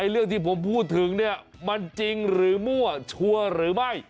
เรื่องที่ผมพูดถึงเนี่ยมันจริงหรือมั่วชัวร์หรือไม่